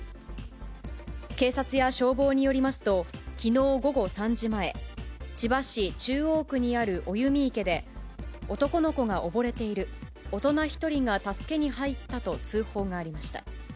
警察や消防によりますと、きのう午後３時前、千葉市中央区にある生実池で、男の子が溺れている、大人１人が助けに入ったと通報がありました。